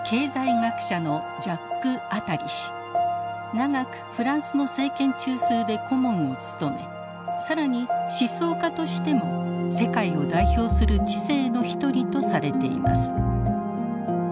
長くフランスの政権中枢で顧問を務め更に思想家としても世界を代表する知性の一人とされています。